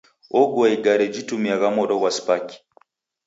Ogua igare jitumiagha modo ghwa spaki.